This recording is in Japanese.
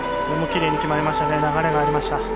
これもキレイに決まりましたね、流れがありました。